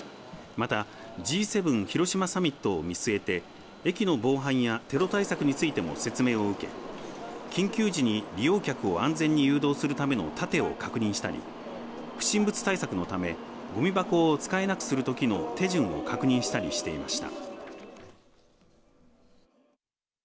またＧ７広島サミットを見据えて駅の防犯やテロ対策についても説明を受け緊急時に利用客を安全に誘導するための盾を確認したり不審物対策のためごみ箱を使えなくするときの手順を確認したりしていました。